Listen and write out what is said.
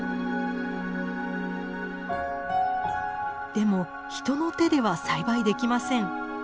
でも人の手では栽培できません。